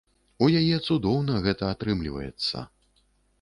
У яе цудоўна гэта атрымліваецца.